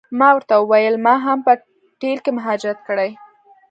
ما ورته وویل ما هم په ټل کې مهاجرت کړی.